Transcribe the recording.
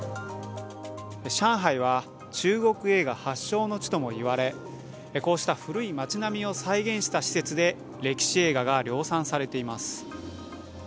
上海は中国映画発祥の地とも言われ、こうした古い街並みを再現した施設で歴史映画が量産されています。